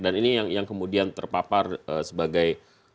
dan ini yang kemudian terpapar sebagai